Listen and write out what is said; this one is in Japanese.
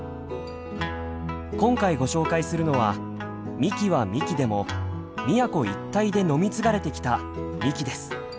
今回ご紹介するのは「みき」は「みき」でも宮古一帯で飲み継がれてきた「みき」です。